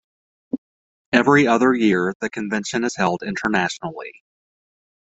Every other year, the convention is held internationally.